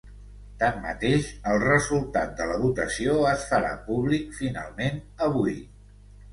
Tanmateix, el resultat de la votació es farà públic finalment avui.